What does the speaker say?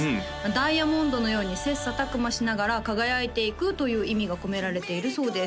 ダイヤモンドのように切磋琢磨しながら輝いていくという意味が込められているそうです